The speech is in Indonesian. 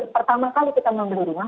pertama kali kita membeli rumah